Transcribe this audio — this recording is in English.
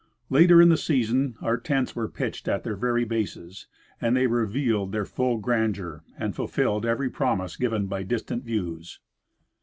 Later in the season our tents were pitched at their very bases, and they then revealed their full grandeur an(J fulfilled every promise given by distant views.